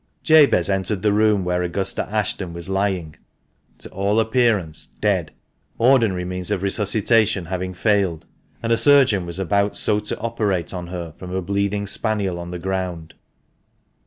Jabez entered the room where Augusta Ashton was lying, to all appearance, dead — ordinary means of resuscitation having failed, and a surgeon was about so to operate on her from a bleeding spaniel on the ground.